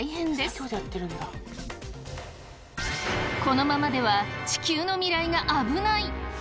このままでは地球の未来が危ない！